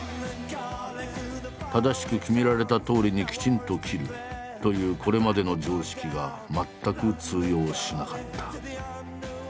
「正しく決められたとおりにきちんと切る」というこれまでの常識が全く通用しなかった。